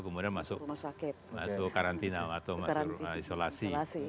kemudian masuk karantina atau masuk isolasi